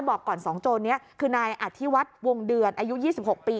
บอกก่อน๒โจรนี้คือนายอธิวัฒน์วงเดือนอายุ๒๖ปี